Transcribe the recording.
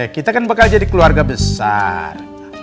kita kan bakal jadi keluarga besar